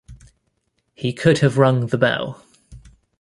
He could have rung the bell.